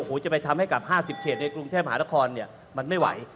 จะไปทำให้กับ๕๐เขตในกรุงเทพมหานครเนี่ยมันไม่ไหว